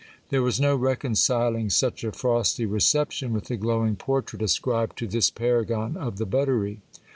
There was no reconciling sue! a frosty reception with the glowing portrait ascribed to this paragon of the buttery.